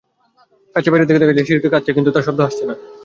কাচের বাইরে থেকে দেখা যায়, শিশুটি কাঁদছে কিন্তু তার শব্দ আসছে না।